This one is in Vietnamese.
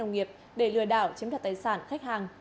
đồng nghiệp để lừa đảo chiếm đặt tài sản khách hàng